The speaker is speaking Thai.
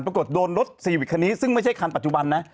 ปรากฏโดนรถซีวิกคันนี้ซึ่งไม่ใช่คันปัจจุบันนะ